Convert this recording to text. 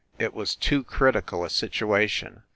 It was too critical a situation.